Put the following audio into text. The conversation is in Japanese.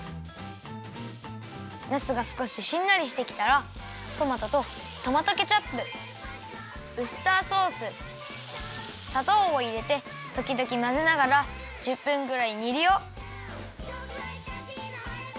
なすがすこししんなりしてきたらトマトとトマトケチャップウスターソースさとうをいれてときどきまぜながら１０分ぐらいにるよ。